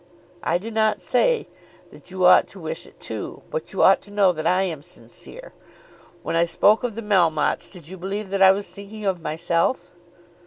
I do not say that you ought to wish it too; but you ought to know that I am sincere. When I spoke of the Melmottes, did you believe that I was thinking of myself?"